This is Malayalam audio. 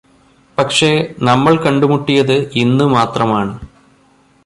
പക്ഷേ നമ്മള് കണ്ടുമുട്ടിയത് ഇന്നുമാത്രമാണ്